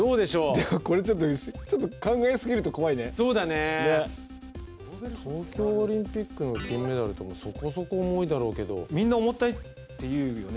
でもこれちょっと考えすぎると怖いねそうだね東京オリンピックの金メダルってそこそこ重いだろうけどみんな重たいって言うよね